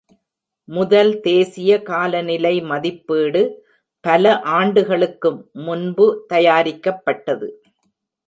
முதல் தேசிய காலநிலை மதிப்பீடு பல ஆண்டுகளுக்கு முன்பு தயாரிக்கப்பட்டது.